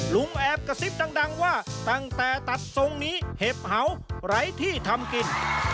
แอบกระซิบดังว่าตั้งแต่ตัดทรงนี้เห็บเห่าไร้ที่ทำกิน